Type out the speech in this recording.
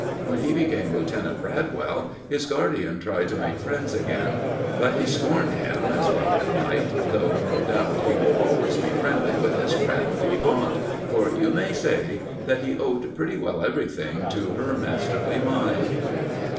When he became Lieutenant Bradwell, his guardian tried to make friends again; but he scorned him, as well he might, though no doubt he will always be friendly with his crafty aunt, for you may say that he owed pretty well everything to her masterly mind.